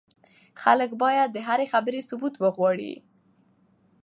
خلک بايد د هرې خبرې ثبوت وغواړي.